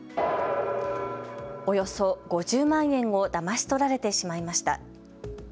およそ５０万円をだまし取られてしまいました。